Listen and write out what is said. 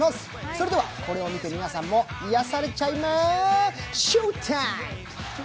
それではこれを見て皆さんも癒されちゃいま